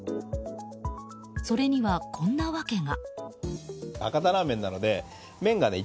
それにはこんな訳が。